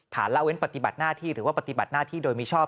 ละเว้นปฏิบัติหน้าที่หรือว่าปฏิบัติหน้าที่โดยมิชอบ